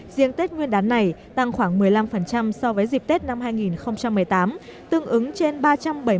riêng tết nguyên đán này tăng khoảng một mươi năm so với dịp tết năm hai nghìn một mươi tám tương ứng trên ba trăm bảy mươi